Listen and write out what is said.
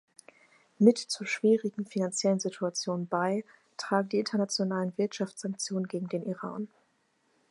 Mit zur schwierigen finanziellen Situation bei tragen die internationalen Wirtschaftssanktionen gegen den Iran.